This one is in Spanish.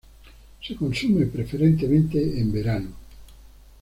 Se consume preferentemente en verano.